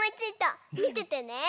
みててね！